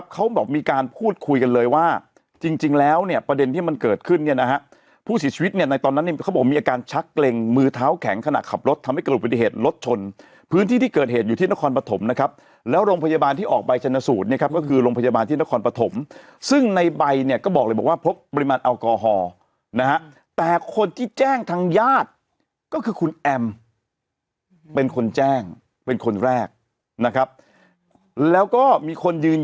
เขาบอกมีการพูดคุยกันเลยว่าจริงจริงแล้วเนี้ยประเด็นที่มันเกิดขึ้นเนี้ยนะฮะผู้เสียชีวิตเนี้ยในตอนนั้นเนี้ยเขาบอกมีอาการชักเกร็งมือเท้าแข็งขนาดขับรถทำให้เกิดปฏิเหตุรถชนพื้นที่ที่เกิดเหตุอยู่ที่นครปฐมนะครับแล้วโรงพยาบาลที่ออกใบชนสูตรเนี้ยครับก็คือโรงพยาบาลที่